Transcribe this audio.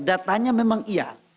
datanya memang iya